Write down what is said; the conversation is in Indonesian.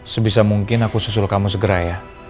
sebisa mungkin aku susul kamu segera ya